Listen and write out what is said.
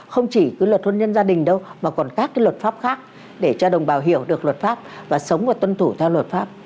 không chỉ cái luật hôn nhân gia đình đâu mà còn các cái luật pháp khác để cho đồng bào hiểu được luật pháp và sống và tuân thủ theo luật pháp